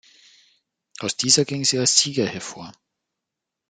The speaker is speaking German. Aus dieser ging sie als Sieger hervor.